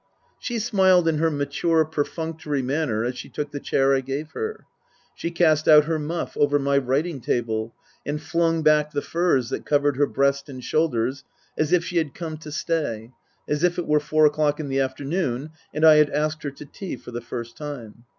She smiled in her mature, perfunctory manner as she took the chair I gave her. She cast out her muff over my writing table, and flung back the furs that covered her breast and shoulders, as if she had come to stay, as if it were four o'clock in the afternoon and I had asked her to tea for the first time.